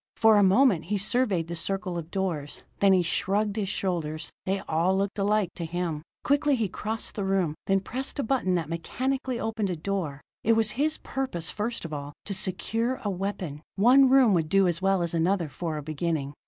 For a moment he surveyed the circle of doors: then he shrugged his shoulders. They all looked alike to him. Quickly he crossed the room, and pressed a button that mechanically opened a door. It was his purpose, first of all, to secure a weapon; one room would do as well as another for a beginning.